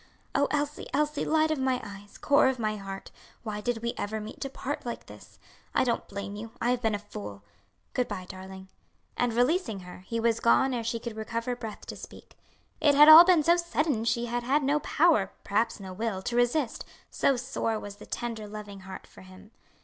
"Oh, Elsie, Elsie, light of my eyes, core of my heart, why did we ever meet to part like this? I don't blame you. I have been a fool. Good bye, darling." And releasing her, he was gone ere she could recover breath to speak. It had all been so sudden she had had no power, perhaps no will, to resist, so sore was the tender, loving heart for him.